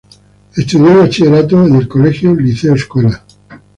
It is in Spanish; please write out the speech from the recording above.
Estudió el bachillerato en el colegio Liceo Escuela.